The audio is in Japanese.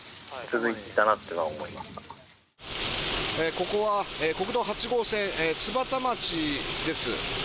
ここは国道８号線津幡町です。